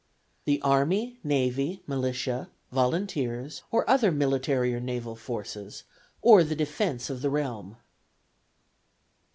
The army, navy, militia, volunteers, or other military or naval forces, or the defence of the realm; "(4.)